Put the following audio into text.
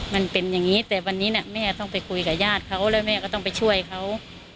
มันเป็นอย่างนี้แต่วันนี้แม่ต้องไปคุยกับญาติเขาแล้วแม่ก็ต้องไปช่วยเขา